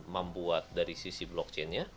membuat dari sisi blockchain nya